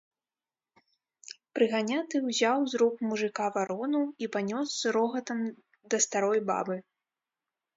Прыганяты ўзяў з рук мужыка варону і панёс з рогатам да старой бабы.